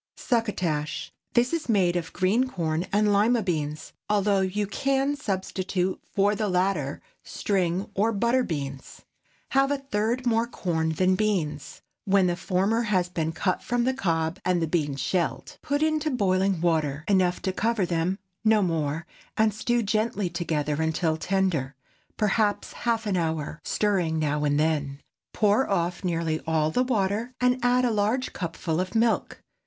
SUCCOTASH. This is made of green corn and Lima beans, although you can substitute for the latter string or butter beans. Have a third more corn than beans, when the former has been cut from the cob and the beans shelled. Put into boiling water enough to cover them—no more—and stew gently together until tender—perhaps half an hour—stirring now and then. Pour off nearly all the water, and add a large cupful of milk.